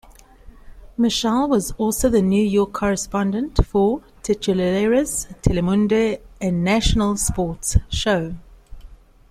Michele was also the New York correspondent for "Titulares Telemundo," a national sports show.